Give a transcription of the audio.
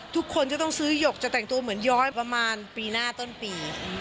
ทุกคนจะต้องซื้อหยกจะแต่งตัวเหมือนย้อยประมาณปีหน้าต้นปี